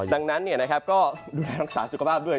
ดังนั้นเนี่ยนะครับก็ดูแลรักษาสุขภาพด้วย